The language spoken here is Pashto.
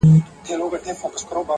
ټولنه خپل عيب نه مني تل-